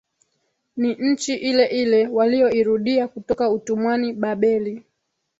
ni nchi ileile waliyoirudia kutoka utumwani Babeli